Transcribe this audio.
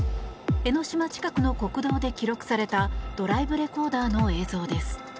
江の島近くの国道で記録されたドライブレコーダーの映像です。